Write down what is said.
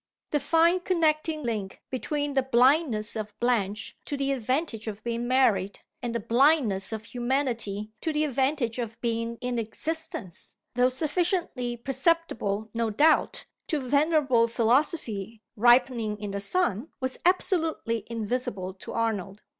The fine connecting link between the blindness of Blanche to the advantage of being married, and the blindness of humanity to the advantage of being in existence, though sufficiently perceptible no doubt to venerable Philosophy ripening in the sun, was absolutely invisible to Arnold.